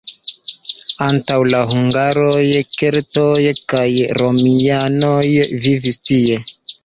Antaŭ la hungaroj keltoj kaj romianoj vivis tie.